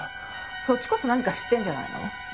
そっちこそ何か知ってんじゃないの？